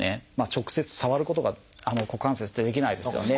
直接触ることが股関節ってできないですよね。